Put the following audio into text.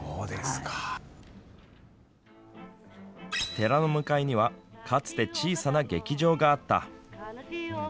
寺の向かいにはかつて、小さな劇場があった。